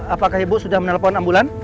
apakah ibu sudah menelepon ambulans